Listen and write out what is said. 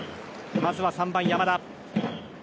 まずは３番、山田。